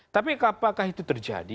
tapi apakah itu terjadi